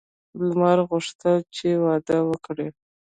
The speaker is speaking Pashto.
لمر غوښتل چې واده وکړي.